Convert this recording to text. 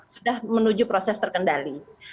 sudah menuju proses terkendali